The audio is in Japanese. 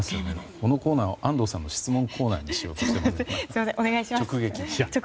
このコーナーは安藤さんの質問コーナーにお願いします。